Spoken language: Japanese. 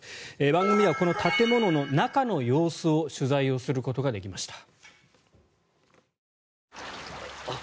番組ではこの建物の中の様子を取材することができました。